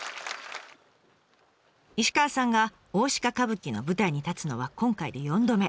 石川さんが大鹿歌舞伎の舞台に立つのは今回で４度目。